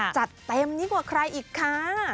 จัดเต็มยิ่งกว่าใครอีกค่ะ